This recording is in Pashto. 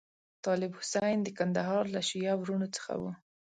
طالب حسین د کندهار له شیعه وروڼو څخه وو.